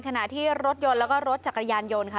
ขณะที่รถยนต์และรถจักรยานยนต์